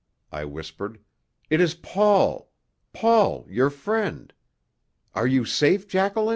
I whispered, "it is Paul. Paul, your friend. Are you safe, Jacqueline?"